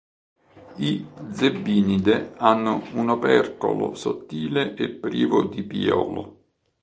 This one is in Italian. I Zebinidae hanno un opercolo sottile e privo di piolo.